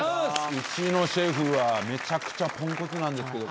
うちのシェフはめちゃくちゃポンコツなんですけど。